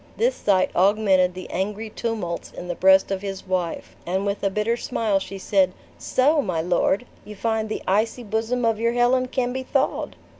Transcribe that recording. This sight augmented the angry tumults in the breast of his wife; and with a bitter smile she said, "So, my lord, you find the icy bosom of your Helen can be thawed!"